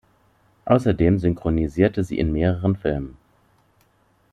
Außerdem synchronisierte sie in mehreren Filmen.